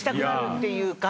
っていうか。